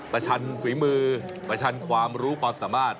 ชันฝีมือประชันความรู้ความสามารถ